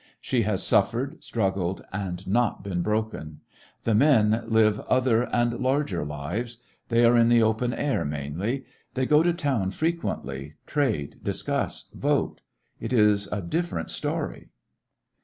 She has suffered, struggled, and not been broken ! The men live other and larger lives. They are in the open air, mainly; they go to town frequently, trade, discuss, vote. It is a different story.